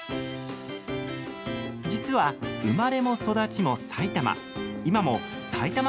実は生まれも育ちも埼玉。